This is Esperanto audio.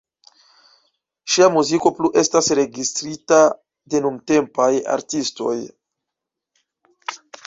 Ŝia muziko plu estas registrita de nuntempaj artistoj.